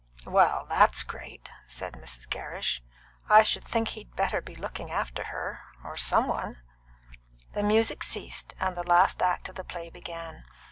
"Well, that's great!" said Mrs. Gerrish. "I should think he better be looking after her or some one." The music ceased, and the last act of the play began.